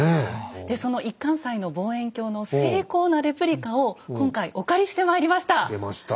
でその一貫斎の望遠鏡の精巧なレプリカを今回お借りしてまいりました。